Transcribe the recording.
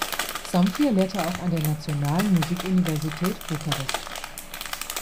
Zamfir lehrte auch an der Nationalen Musikuniversität Bukarest.